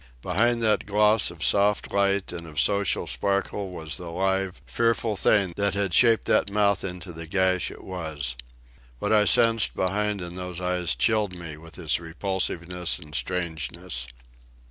Behind that gloss of soft light and of social sparkle was the live, fearful thing that had shaped that mouth into the gash it was. What I sensed behind in those eyes chilled me with its repulsiveness and strangeness.